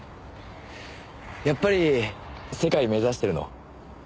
やっぱり世界目指してるの？